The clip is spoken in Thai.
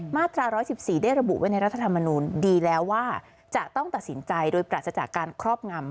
มาตรา๑๑๔ได้ระบุไว้ในรัฐธรรมนูลดีแล้วว่าจะต้องตัดสินใจโดยปราศจากการครอบงำ